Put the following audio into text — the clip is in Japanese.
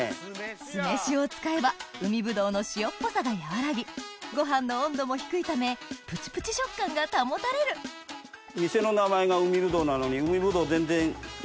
酢飯を使えば海ぶどうの塩っぽさが和らぎご飯の温度も低いためプチプチ食感が保たれるえ！